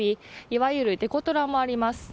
いわゆるデコトラもあります。